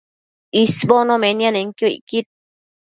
isbono nemianenquio icquid